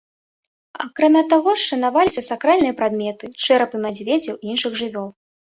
Акрамя таго, шанаваліся сакральныя прадметы, чэрапы мядзведзяў і іншых жывёл.